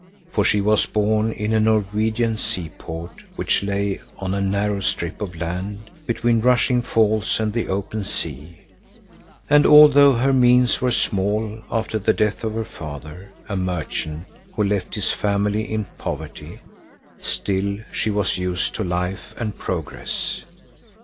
For she was born in a Norwegian seaport which lay on a narrow strip of land between rushing falls and the open sea, and although her means were small after the death of her father, a merchant, who left his family in poverty, still she was used to life and progress.